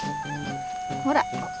ほら！